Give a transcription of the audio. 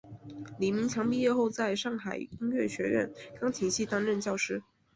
李名强毕业后在上海音乐学院钢琴系担任教师。